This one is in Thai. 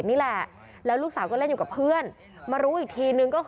มารู้อีกทีนึง